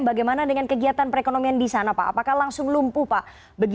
bagaimana dengan kegiatan perekonomian di sana pak apakah langsung lumpuh pak